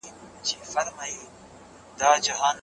ځینې خلک خپل ځواک سره یو ځای شول.